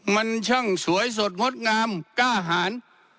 มันช่างสวยสดงดงามกล้าหาร